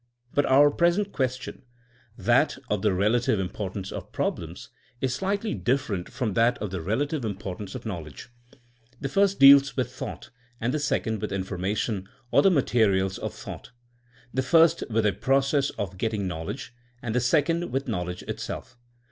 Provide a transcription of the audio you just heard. But our present question — ^that of the relative THINEINa AS A SCIENCE 211 importance of problems — is slightly different from that of the relative importance of knowl edge. The first deals with thought and the second with information, or the materials of thought; the first with a process of getting knowledge and the second with knowledge itself.